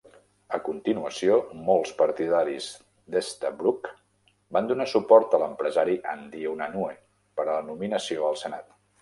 A continuació, molts partidaris d'Estabrook van donar suport a l'empresari Andy Unanue per a la nominació al Senat.